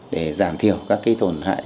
để giảm thiểu các tổn hại